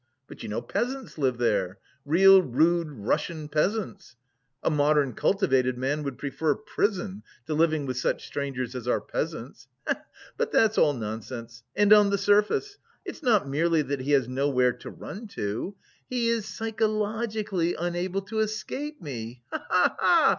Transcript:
But you know, peasants live there, real rude Russian peasants. A modern cultivated man would prefer prison to living with such strangers as our peasants. He he! But that's all nonsense, and on the surface. It's not merely that he has nowhere to run to, he is psychologically unable to escape me, he he!